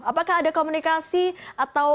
apakah ada komunikasi atau